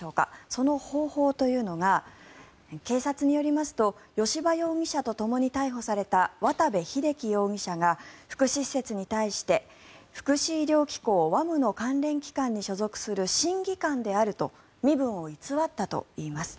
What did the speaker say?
その方法というのが警察によりますと吉羽容疑者とともに逮捕された渡部秀規容疑者が福祉施設に対して福祉医療機構・ＷＡＭの関連機関に所属する審議官であると身分を偽ったといいます。